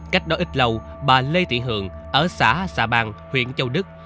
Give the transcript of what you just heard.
cách đó ít lâu bà lê thị hường ở xã xà bang huyện châu đức